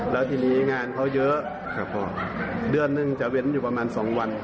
แล้วทีนี้งานเขาเยอะครับผมเดือนนึงจะเว้นอยู่ประมาณสองวัน